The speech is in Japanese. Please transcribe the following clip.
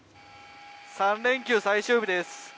３連休最終日です。